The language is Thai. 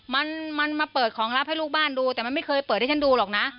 มันมันมาเปิดของรับให้ลูกบ้านดูแต่มันไม่เคยเปิดให้ฉันดูหรอกนะ